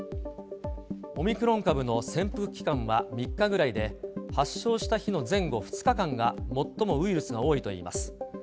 オミクロン株の潜伏期間は３日ぐらいで、発症した日の前後２日間が、最もウイルスが多いといいます。